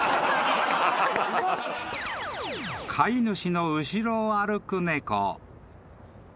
［飼い主の後ろを歩く猫］